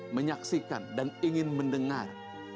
menyaksikan dan ingin mendengar